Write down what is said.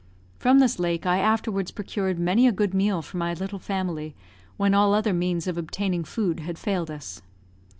From this lake I afterwards procured many a good meal for my little family, when all other means of obtaining food had failed us.